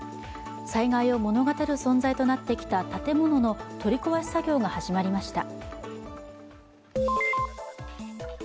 災害を物語る存在となってきた建物の取り壊し作業が始まりました。